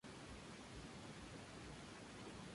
Está dedicada a Antonio Gramsci, nacido en Ales.